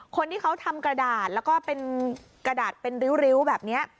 คนที่เขาทำกระดาษแล้วก็เป็นกระดาษเป็นริ้วแบบนี้